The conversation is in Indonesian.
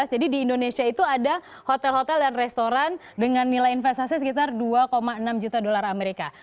jadi di indonesia itu ada hotel hotel dan restoran dengan nilai investasi sekitar dua enam juta dolar amerika